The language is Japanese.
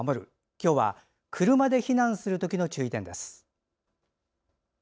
今日は車で避難するときの注意点です。